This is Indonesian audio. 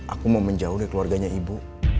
aku mau menjauh dari keluarganya ibu